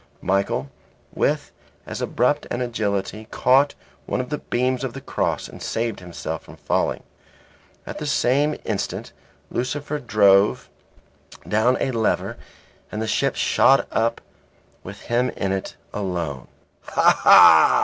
Michael, with as abrupt an agility, caught one of the beams of the cross and saved himself from falling. At the same instant Lucifer drove down a lever and the ship shot up with him in it alone. "Ha! ha!"